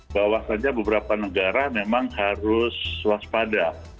bahwa saja beberapa negara memang harus waspada